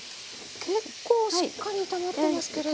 結構しっかり炒めてますけれども。